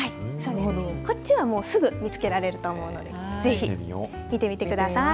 こっちはもうすぐ見つけられると思うので、ぜひ見てみてください。